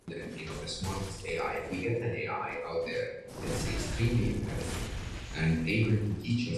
Suematsu was also active as a writer of English works on Japanese subjects.